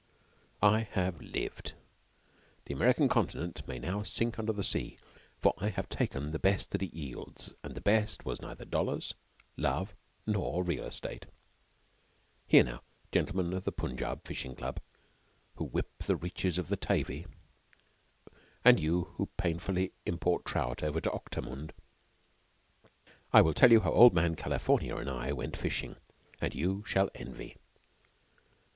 I HAVE lived! The American Continent may now sink under the sea, for I have taken the best that it yields, and the best was neither dollars, love, nor real estate. Hear now, gentlemen of the Punjab Fishing Club, who whip the reaches of the Tavi, and you who painfully import trout over to Octamund, and I will tell you how old man California and I went fishing, and you shall envy.